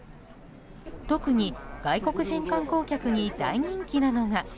特に、外国人観光客に大人気なのが。